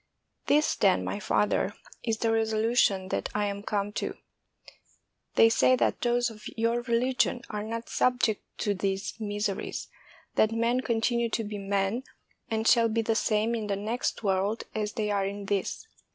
This, then, my father, is the reso lution that I am come to : They say that those of your religion are not subject to these miseries, that men con tinue to be men and shall be the same in the next world as they are in this.